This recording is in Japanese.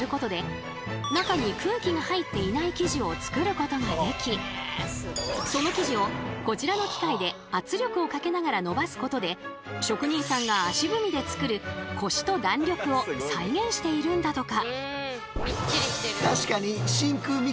このミキサーその生地をこちらの機械で圧力をかけながらのばすことで職人さんが足踏みで作るコシと弾力を再現しているんだとか。